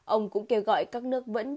ông cũng kêu gọi các nước vẫn đánh giá y tế